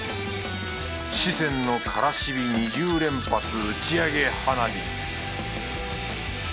四川のカラシビ２０連発打ち上げ花火